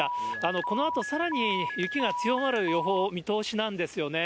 このあとさらに雪が強まる予報、見通しなんですよね。